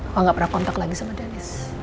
pak nggak pernah kontak lagi sama dennis